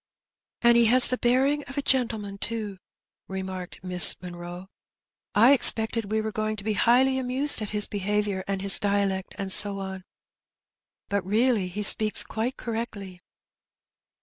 "And he has the bearing of a gentleman too/* re marked Miss Munroe. "I expected we were going to be highly amused at his behaviour and his dialect, and so on; but really he speaks quite correctly."